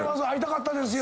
会いたかった。